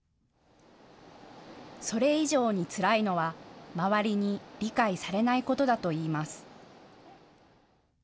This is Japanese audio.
それ以上につらいのは周りに理解されないことだといいます。